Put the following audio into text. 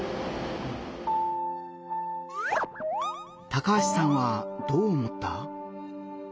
高橋さんはどう思った？